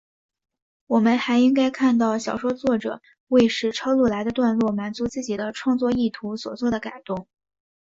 我们还应该看到小说作者为使抄录来的段落满足自己的创作意图所作的改动。